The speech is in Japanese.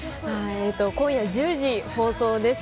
今夜１０時放送です。